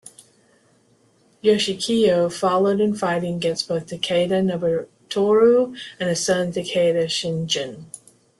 Yoshikiyo followed in fighting against both Takeda Nobutora and his son Takeda Shingen.